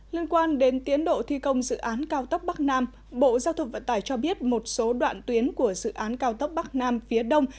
liên quan đến tiến độ thi công dự án cao tốc bắc nam bộ giao thông vận tải cho biết một số đoạn tuyến của dự án cao tốc bắc nam phía đông